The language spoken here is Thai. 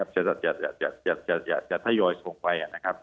จะทยอยส่งไป